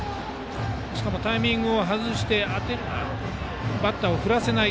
しかもタイミングを外してバッターを振らせない